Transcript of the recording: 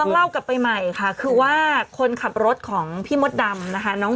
แล้วกลับให้ใหม่คือว่าคนขับรถของพี่มดดำ